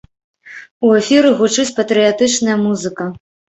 У эфіры гучыць патрыятычная музыка.